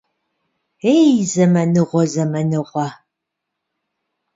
Ей, зэманыгъуэ, зэманыгъуэ!